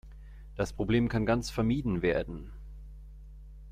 Das Problem kann ganz vermieden werden.